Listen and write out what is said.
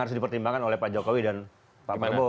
kemudian kemenangan oleh pak jokowi dan pak prabowo